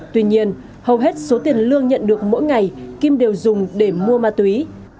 tuy nhiên hầu hết số tiền lương nhận được mỗi ngày kim đều dùng để mua ma túy